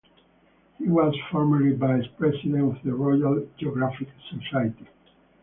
He was formerly Vice President of the Royal Geographic Society.